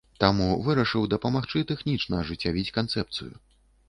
Таму вырашыў дапамагчы тэхнічна ажыццявіць канцэпцыю.